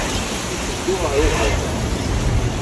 Iteddu ɣer uɣerbaz.